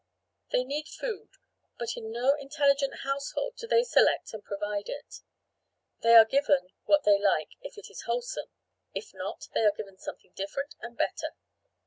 They need food, but in no intelligent household do they select and provide it; they are given what they like if it is wholesome; if not, they are given something different and better.